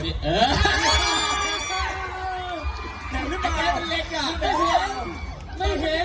เราแย่งกันด้วย